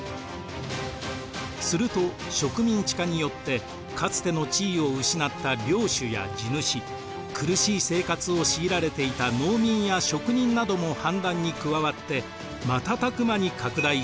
すると植民地化によってかつての地位を失った領主や地主苦しい生活を強いられていた農民や職人なども反乱に加わって瞬く間に拡大しました。